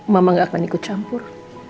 mama gak akan ikut campur